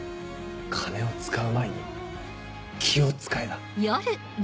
「金を使う前に気を使え」だ。